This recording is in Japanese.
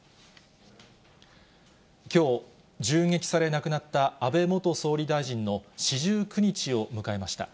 きょう、銃撃され亡くなった、安倍元総理大臣の四十九日を迎えました。